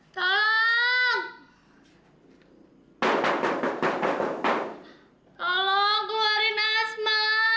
tolong keluarin asma